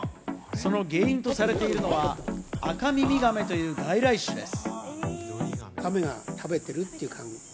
その原因とされているのは、アカミミガメという外来種です。